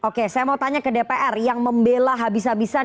oke saya mau tanya ke dpr yang membela habis habisan